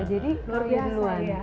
jadi luar biasa ya